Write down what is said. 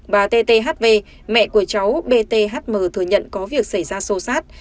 bà tthv mẹ của cháu bthm thừa nhận có việc xảy ra sô sát